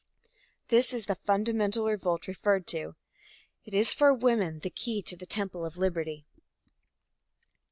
This is the fundamental revolt referred to. It is for woman the key to the temple of liberty.